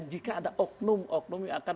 jika ada oknum oknum yang akan